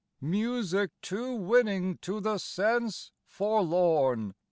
Music too winning to the sense forlorn!